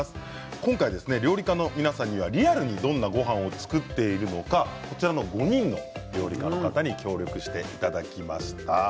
今回料理家の皆さんにはリアルにどんなごはんを作っているのかこちらの５人の料理家の方に協力していただきました。